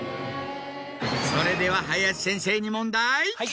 それでは林先生に問題。